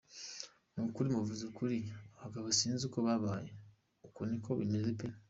Nukuri muvuze ukuri, abagabo sinzi uko babaye, uko niko bameze pe.